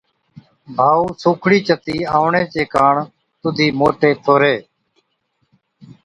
ڀائُو، سُوکڙِي چتِي آوَڻي چي ڪاڻ تُڌي موٽي ٿوري۔